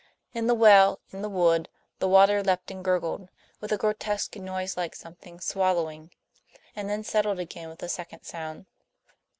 In the well, in the wood, the water leapt and gurgled, with a grotesque noise like something swallowing, and then settled again with a second sound.